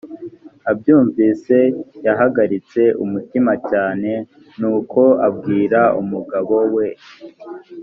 abyumvise yahagaritse umutima cyane nuko abwira umugabo we